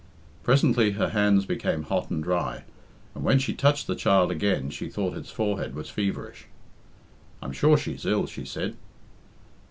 Presently her hands became hot and dry, and when she touched the child again she thought its forehead was feverish. "I'm sure she's ill," she said.